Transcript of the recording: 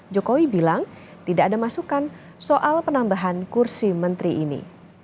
jokowi bilang tidak ada masukan soal penambahan kursi menteri ini